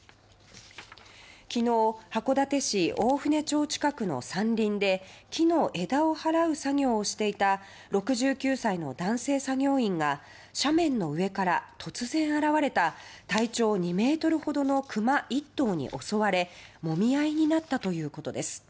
昨日、函館市大船町近くの山林で木の枝を払う作業をしていた６９歳の男性作業員が斜面の上から突然現れた体長２ｍほどのクマ１頭に襲われもみ合いになったということです。